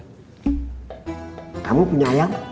kamu punya ayam